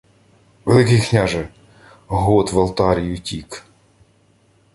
— Великий княже... Гот Валтарій утік.